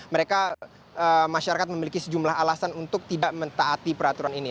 mereka masyarakat memiliki sejumlah alasan untuk tidak mentaati peraturan ini